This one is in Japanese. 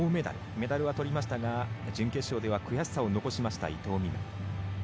メダルは取りましたが準決勝では悔しさを残しました、伊藤美誠。